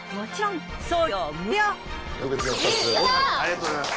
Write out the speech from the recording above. ありがとうございます。